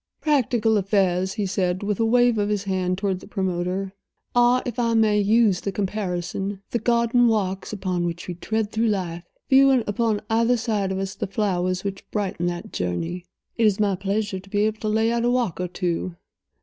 "Practical affairs," he said, with a wave of his hand toward the promoter, "are, if I may use the comparison, the garden walks upon which we tread through life, viewing upon either side of us the flowers which brighten that journey. It is my pleasure to be able to lay out a walk or two.